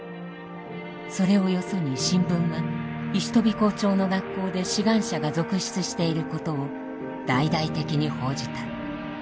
それをよそに新聞は石飛校長の学校で志願者が続出していることを大々的に報じた。